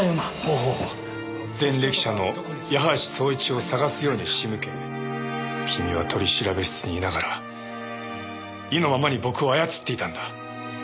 前歴者の矢橋宗市を捜すように仕向け君は取調室にいながら意のままに僕を操っていたんだ。